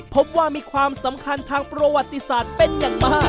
พบว่ามีความสำคัญทางประวัติศาสตร์เป็นอย่างมาก